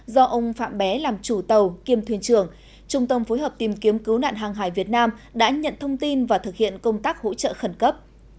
do ông phạm bé làm chủ tàu kiêm thuyền trưởng trung tâm phối hợp tìm kiếm cứu nạn hàng hải việt nam đã nhận thông tin và thực hiện công tác hỗ trợ khẩn cấp